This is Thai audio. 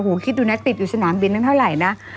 โหคิดดูนะติดอยู่สนามบินน่ะเท่าไรนะ